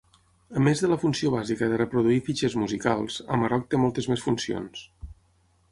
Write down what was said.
A més de la funció bàsica de reproduir fitxers musicals, Amarok té moltes més funcions.